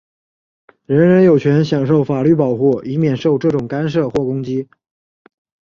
人人有权享受法律保护,以免受这种干涉或攻击。